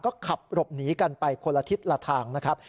ก็ขับหลบหนีกันไปคนละทิศละทางนะครับ